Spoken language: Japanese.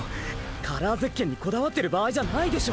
⁉カラーゼッケンにこだわってる場合じゃないでしょ